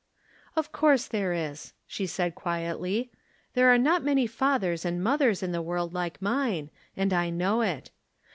" Of course there is," she said, quietly. " There are not many fathers and mothers in the world like mine, and I know it.